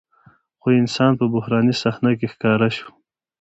خو انسان په بحراني صحنه کې ښکاره شو.